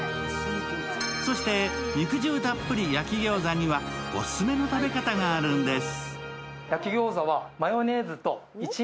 そして、肉汁たっぷり焼き餃子にはオススメの食べ方があるんです。